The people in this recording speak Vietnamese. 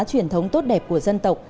truyền thống tốt đẹp của dân tộc